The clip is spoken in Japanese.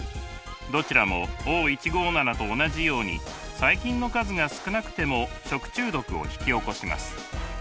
どちらもＯ１５７と同じように細菌の数が少なくても食中毒を引き起こします。